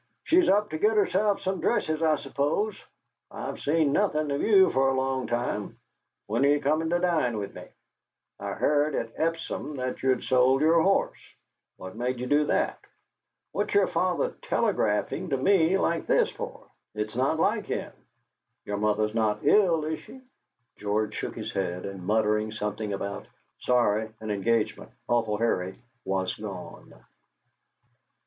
"She's up to get herself some dresses, I suppose? I've seen nothing of you for a long time. When are you coming to dine with me? I heard at Epsom that you'd sold your horse. What made you do that? What's your father telegraphing to me like this for? It's not like him. Your mother's not ill, is she?" George shook his head, and muttering something about "Sorry, an engagement awful hurry," was gone.